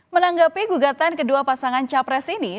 menanggapi gugatan kedua pasangan capres ini